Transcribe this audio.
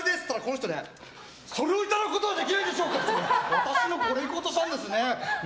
私のこれをいこうとしたんですね。